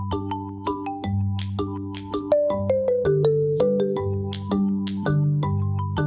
jawabannya sama sama orana ya